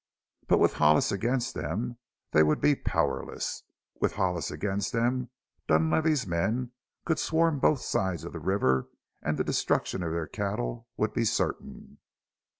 But with Hollis against them they would be powerless; with Hollis against them Dunlavey's men could swarm both sides of the river and the destruction of their cattle would be certain.